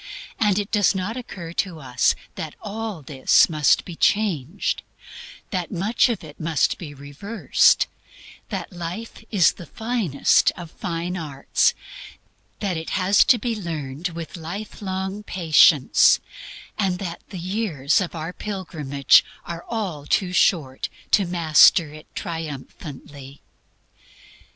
And it does not occur to us that all this must be changed; that much of it must be reversed; that life is the finest of the Fine Arts; that it has to be learned with lifelong patience, and that the years of our pilgrimage are all too short to master it triumphantly.